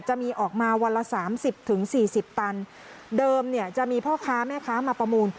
จะมีออกมาวันละสามสิบถึงสี่สิบตันเดิมเนี่ยจะมีพ่อค้าแม่ค้ามาประมูล